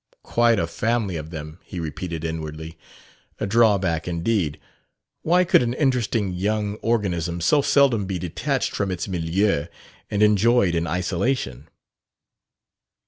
"Quite a family of them," he repeated inwardly. A drawback indeed. Why could an interesting young organism so seldom be detached from its milieu and enjoyed in isolation?